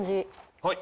はい。